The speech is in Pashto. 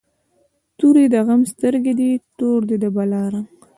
توری د غم سترګی دي، تور دی د بلا رنګ